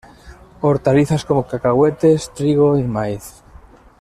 Hortalizas como cacahuetes, trigo y maíz.